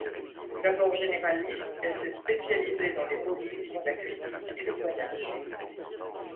D'abord généraliste, elle s'est spécialisée dans les beaux livres, la cuisine et le voyage.